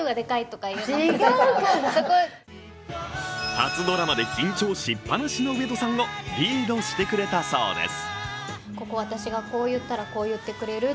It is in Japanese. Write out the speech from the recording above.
初ドラマで緊張しっぱなしの上戸さんをリードしてくれたそうです。